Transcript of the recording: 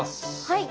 はい。